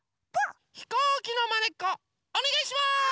ひこうきのまねっこおねがいします！